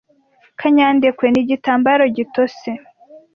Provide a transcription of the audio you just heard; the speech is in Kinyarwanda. kanyandekwe ni igitambaro gitose.